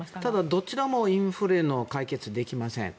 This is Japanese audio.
どちらもインフレの解決はできません。